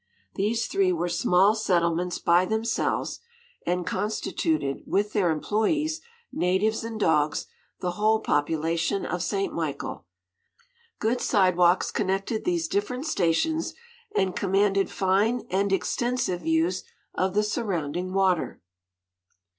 These three were small settlements by themselves, and constituted, with their employees, natives and dogs, the whole population of St. Michael. Good sidewalks connected these different stations and commanded fine and extensive views of the surrounding water.